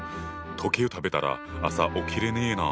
時計を食べたら朝起きれねえな。